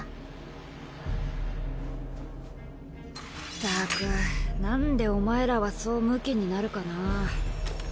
ったくなんでお前らはそうムキになるかなぁ。